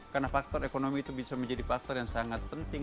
karena faktor ekonomi itu bisa menjadi faktor yang sangat penting